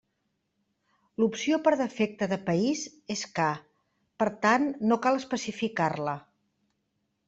L'opció per defecte de país és ca, per tant no cal especificar-la.